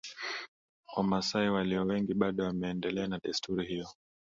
Wamasai walio wengi bado wameendelea na desturi hiyo